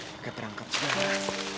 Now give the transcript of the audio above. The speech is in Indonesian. bagaimana perangkap sebenarnya